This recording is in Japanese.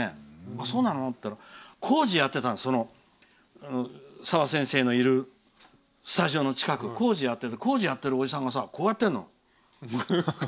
あ、そうなのって言ったら工事やってたの、澤先生のいるスタジオの近くで工事やってるおじさんがこうやってるの。